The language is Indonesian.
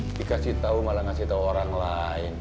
ini dikasih tau malah ngasih tau orang lain